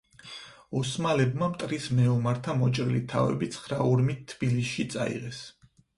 ოსმალებმა მტრის მეომართა მოჭრილი თავები ცხრა ურმით თბილისში წაიღეს.